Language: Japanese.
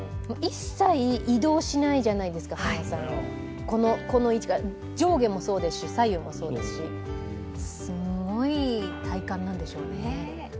一切、移動しないじゃないですか、上下もそうですし、左右もそうですし、すごい体幹なんでしょうね。